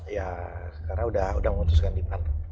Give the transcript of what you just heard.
ya karena sudah memutuskan di pan